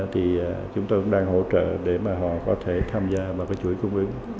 thì chúng tôi cũng đang hỗ trợ để mà họ có thể tham gia vào cái chuỗi cung ứng